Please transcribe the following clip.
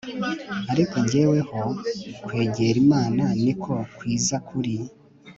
ariko jyeweho kwegera imana ni ko kwiza kuri